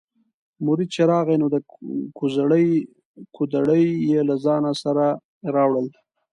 مرید چې راغی نو د کوزړۍ کودوړي یې له ځانه سره راوړل.